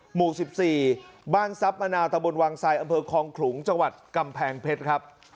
หมู่สิบสี่บ้านซับมะนาวตะบนวางทรายอำเภอคองขลุงจังหวัดกำแพงเพชรครับ